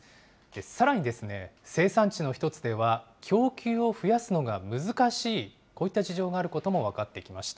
さらに生産地の１つでは、供給を増やすのが難しい、こういった事情があることも分かってきました。